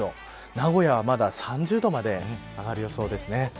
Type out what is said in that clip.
名古屋はまだ３０度まで上がる予想です。